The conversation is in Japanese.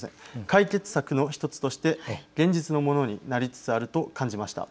解決策の１つとして現実のものになりつつあると感じました。